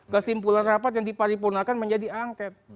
kesimpulan rapat yang diparipurnakan menjadi angket